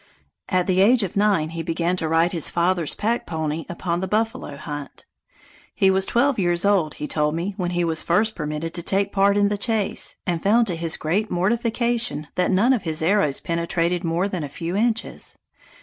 At the age of nine, he began to ride his father's pack pony upon the buffalo hunt. He was twelve years old, he told me, when he was first permitted to take part in the chase, and found to his great mortification that none of his arrows penetrated more than a few inches.